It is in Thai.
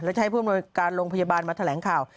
และจะให้ผู้อำนวยการโรงพยาบาลมาแถลงข่าว